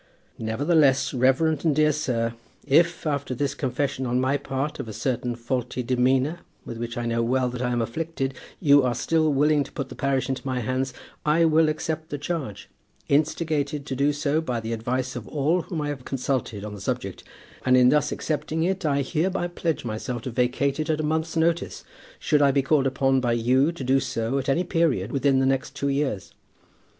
Nevertheless, reverend and dear sir, if after this confession on my part of a certain faulty demeanour with which I know well that I am afflicted, you are still willing to put the parish into my hands, I will accept the charge, instigated to do so by the advice of all whom I have consulted on the subject; and in thus accepting it, I hereby pledge myself to vacate it at a month's warning, should I be called upon by you to do so at any period within the next two years.